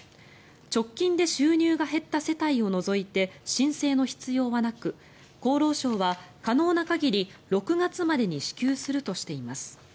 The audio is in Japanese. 直近で収入が減った世帯を除いて申請の必要はなく厚労省は可能な限り、６月までに支給するとしています。